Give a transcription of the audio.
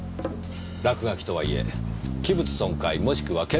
落書きとはいえ器物損壊もしくは建造物損壊。